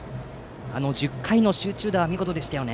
あの１０回の集中打は見事でしたよね。